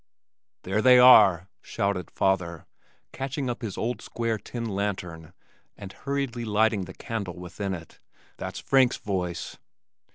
"There they are," shouted father, catching up his old square tin lantern and hurriedly lighting the candle within it. "That's Frank's voice."